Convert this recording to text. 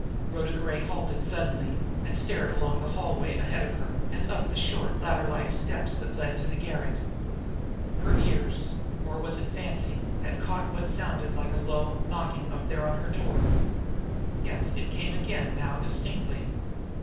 Rhoda Gray halted suddenly, and stared along the hallway ahead of her, and up the short, ladder like steps that led to the garret. Her ears or was it fancy? had caught what sounded like a low knocking up there upon her door. Yes, it came again now distinctly.